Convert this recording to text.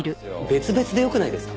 別々でよくないですか？